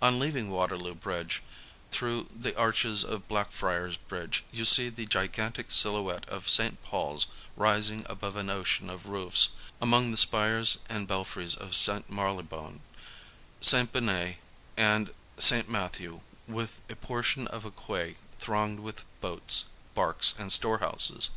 On leaving Waterloo Bridge, through the arches of Blackfriars Bridge you see the gigantic silhouette of St. Paul's rising above an ocean of roofs, among the spires and belfries of St. Mary le Bone, St. Benet and St. Matthew, with a portion of a quay thronged with boats, barks and storehouses.